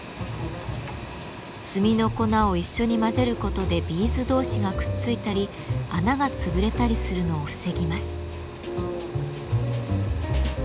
炭の粉を一緒に混ぜることでビーズ同士がくっついたり穴が潰れたりするのを防ぎます。